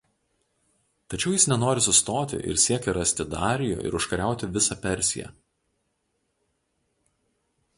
Tačiau jis nenori sustoti ir siekia rasti Darijų ir užkariauti visą Persiją.